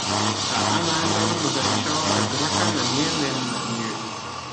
Tá an-áthas orm a bheith anseo i gCnocán an Éin Fhinn inniu